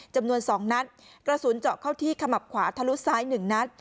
จำนวน๒นัดกระสุนเจาะเข้าที่ขมับขวาทะลุซ้าย๑นัด